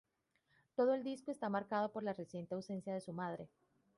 Todo el disco está marcado por la reciente ausencia de su madre.